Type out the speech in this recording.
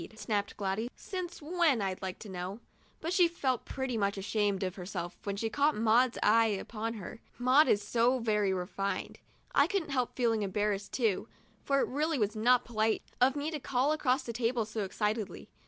snapped Gladys ;" since when, I'd like to know ?" But she felt pretty much ashamed of herself when she caught Maud's eyes upon her — Maud is so very refined. I couldn't help feeling embarrassed 32 TUESDAY— A TEA PARTY AND ITS RESULTS too, for it really was not polite of me to call across the table so excitedly.